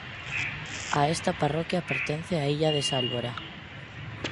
A esta parroquia pertence a illa de Sálvora.